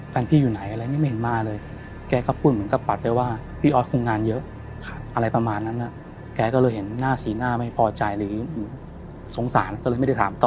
แฟนพี่อยู่ไหนอะไรยังไม่เห็นมาเลย